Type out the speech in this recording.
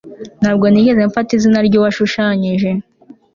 ntabwo nigeze mfata izina ryuwashushanyije